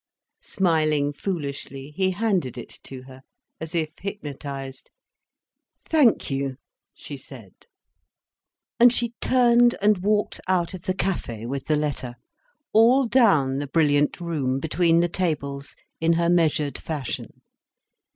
Smiling foolishly he handed it to her, as if hypnotised. "Thank you," she said. And she turned and walked out of the Café with the letter, all down the brilliant room, between the tables, in her measured fashion.